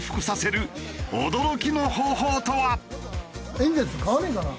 エンゼルス買わねえかな？